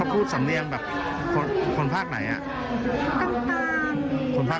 กำลังเรียนของเพิ่งจะเปิดเพราะว่าร้านทองก็เปิดประพอ